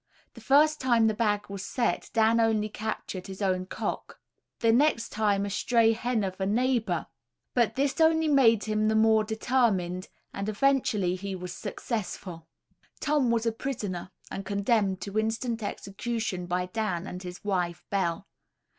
The first time the bag was set Dan only captured his own cock, the next time a stray hen of a neighbour; but this only made him the more determined; and eventually he was successful. Tom was a prisoner, and condemned to instant execution by Dan and his wife Bell.